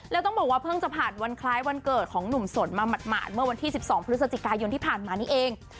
แล้วต้องบอกว่าเพิ่งจะผ่านวันคล้ายวันเกิดของหนุ่มสนมาหมาดเมื่อวันที่๑๒พฤศจิกายนที่ผ่านมานี้เอง